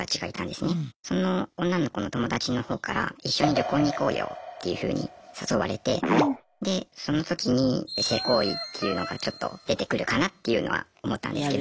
その女の子の友達の方から一緒に旅行に行こうよっていうふうに誘われてでその時に性行為っていうのがちょっと出てくるかなっていうのは思ったんですけど。